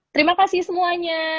terima kasih semuanya